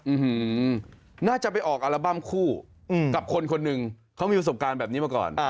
น่าจะไปออกอัลบั้มคู่กับคนคนหนึ่งเขามีประสบการณ์แบบนี้มาก่อน